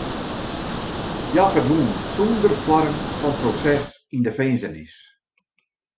Hja ferdwûn sonder foarm fan proses yn de finzenis.